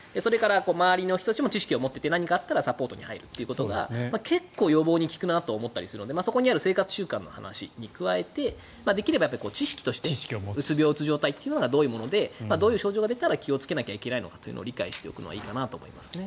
周りの人も知識を持ってて何かあったらサポートに入るということが結構、予防に効くなと思ったりするのでそこにある生活習慣の話に加えてできれば知識としてうつ病、うつ状態というのがどういうものでどういう症状が出たら気をつけなきゃいけないのかを理解しておくのはいいかなと思いますね。